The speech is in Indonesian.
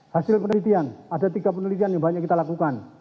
hasil penelitian ada tiga penelitian yang banyak kita lakukan